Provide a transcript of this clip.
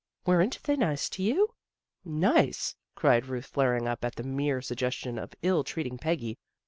"Weren't they nice to you?" " Nice! " cried Ruth, flaring up at the mere suggestion of ill treating Peggy.